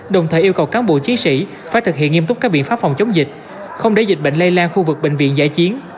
đồng thời yêu cầu cán bộ chiến sĩ phải thực hiện nghiêm túc các biện pháp phòng chống dịch không để dịch bệnh lây lan khu vực bệnh viện giải chiến